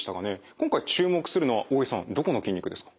今回注目するのは大江さんどこの筋肉ですか？